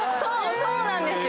そうなんですよ。